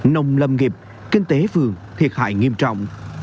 nông lâm nghiệp kinh tế vườn thiệt hại nghiêm trọng